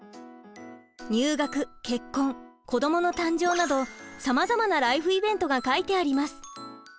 入学結婚子どもの誕生などさまざまなライフイベントが書いてあります。